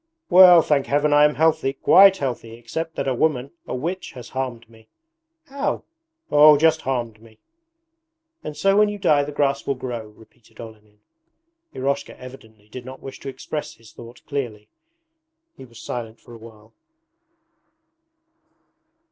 'Well, thank Heaven I am healthy, quite healthy, except that a woman, a witch, has harmed me....' 'How?' 'Oh, just harmed me.' 'And so when you die the grass will grow?' repeated Olenin. Eroshka evidently did not wish to express his thought clearly. He was silent for a while.